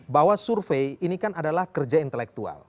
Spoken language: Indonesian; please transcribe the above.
bahwa survei ini kan adalah kerja intelektual